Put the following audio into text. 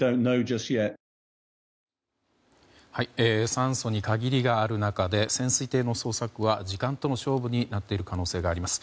酸素に限りがある中で潜水艇の捜索は時間との勝負になっている可能性があります。